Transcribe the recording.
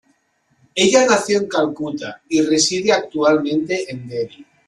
Ella nació en Calcuta y reside actualmente en Delhi.